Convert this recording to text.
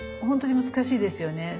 本当に難しいですよね。